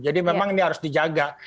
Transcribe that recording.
jadi memang ini harus dijaga